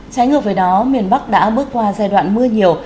trái ngược với đó miền bắc đã bước qua giai đoạn mưa nhiều